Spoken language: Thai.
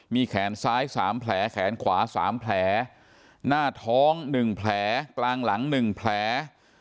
มีแขนซ้าย๓แผลแขนขวา๓แผลหน้าท้อง๑แผลกลางหลัง๑แผล